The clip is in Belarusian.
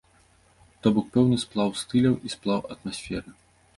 То бок пэўны сплаў стыляў і сплаў атмасферы.